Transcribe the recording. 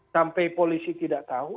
sampai polisi tidak tahu